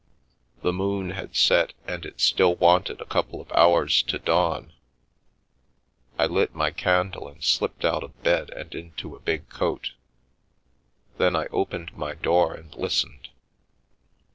The moon had set and it still wanted a couple of hours to dawn. I lit my candle and slipped out of bed and into a big coat; then I opened my door and listened.